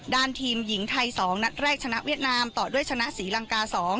ทีมหญิงไทย๒นัดแรกชนะเวียดนามต่อด้วยชนะศรีลังกา๒